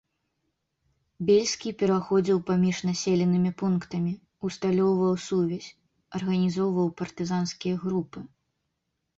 Бельскі пераходзіў паміж населенымі пунктамі, усталёўваў сувязь, арганізоўваў партызанскія групы.